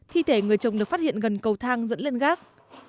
thi thể người chồng được phát hiện gần cầu thang dẫn lên gác